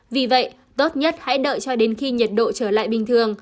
vì vậy tốt nhất hãy đợi cho đến khi nhiệt độ trở lại bình thường